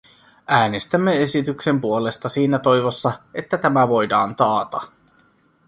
Äänestämme esityksen puolesta siinä toivossa, että tämä voidaan taata.